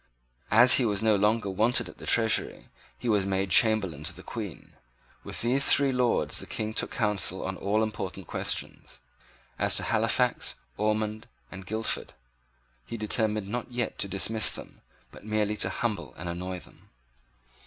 As he was no longer wanted at the Treasury, he was made Chamberlain to the Queen. With these three Lords the King took counsel on all important questions. As to Halifax, Ormond, and Guildford, he determined not yet to dismiss them, but merely to humble and annoy them.